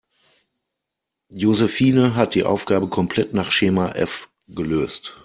Josephine hat die Aufgabe komplett nach Schema F gelöst.